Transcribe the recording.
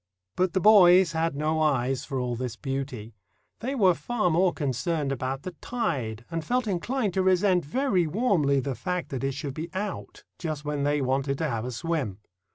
But the boys had no eyes for all this beauty. They were far more concerned about the tide, and felt inclined to resent very warmly the fact that it should be out just when they wanted to have a swim.